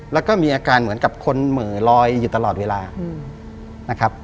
แล้วก็มีอาการเหมือนกับคนเหม่อลอยอยู่ตลอดเวลานะครับ